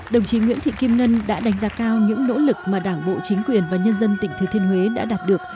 đồng chí nguyễn thị kim ngân đã đánh giá cao những nỗ lực mà đảng bộ chính quyền và nhân dân tỉnh thừa thiên huế đã đạt được